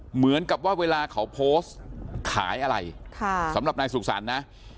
เหมือนกับว่าเวลาเขาโพสต์ขายอะไรสำหรับนายสุขสรรค์นะ